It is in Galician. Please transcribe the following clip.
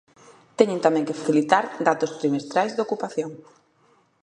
Teñen tamén que facilitar datos trimestrais de ocupación.